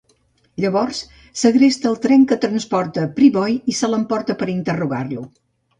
Llavors segresta el tren que transporta Priboi i se l'emporta per interrogar-lo.